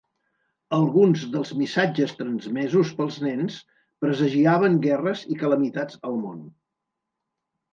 Alguns dels missatges transmesos pels nens presagiaven guerres i calamitats al món.